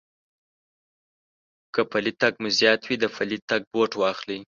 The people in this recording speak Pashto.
که پٔلی تگ مو زيات وي، د پلي تگ بوټ واخلئ.